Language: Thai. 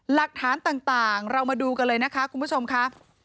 หลักฐานต่างเรามาดูกันเลยนะคะคุณผู้ชมค่ะ